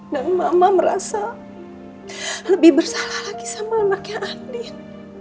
dan mama merasa lebih bersalah lagi sama anaknya andin